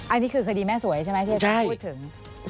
อันนี้คือคดีแม่สวยใช่ไหมที่อาจารย์พูดถึง